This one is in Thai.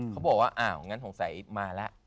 เขาบอกว่าอ้าวงั้นสงสัยมาแล้ว